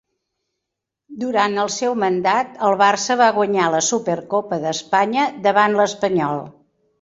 Durant el seu mandat, el Barça va guanyar la Supercopa d'Espanya davant l'Espanyol.